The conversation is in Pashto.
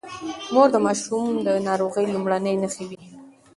مور د ماشوم د ناروغۍ لومړنۍ نښې ويني.